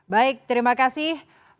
baik terima kasih